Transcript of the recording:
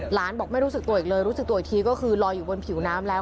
บอกไม่รู้สึกตัวอีกเลยรู้สึกตัวอีกทีก็คือลอยอยู่บนผิวน้ำแล้ว